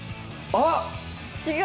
あっ！